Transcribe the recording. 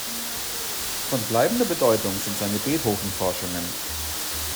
Von bleibender Bedeutung sind seine Beethoven-Forschungen.